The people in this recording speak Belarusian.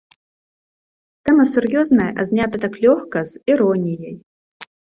Тэма сур'ёзная, а знята так лёгка, з іроніяй.